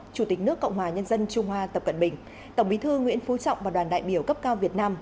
chủ tịch nước cộng hòa nhân dân trung hoa tập cận bình tổng bí thư nguyễn phú trọng và đoàn đại biểu cấp cao việt nam